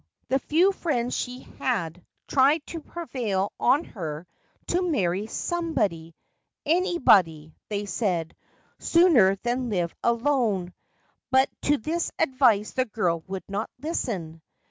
The few friends she had tried to prevail on her to marry somebody — anybody, they said, sooner than live alone, — but to this advice the girl would not listen.